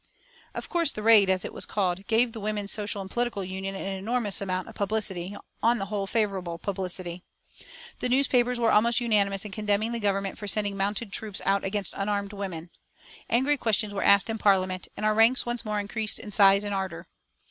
Of course the raid, as it was called, gave the Women's Social and Political Union an enormous amount of publicity, on the whole, favourable publicity. The newspapers were almost unanimous in condemning the Government for sending mounted troops out against unarmed women. Angry questions were asked in Parliament, and our ranks once more increased in size and ardour.